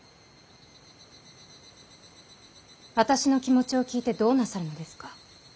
私の気持ちを聞いてどうなさるのですか。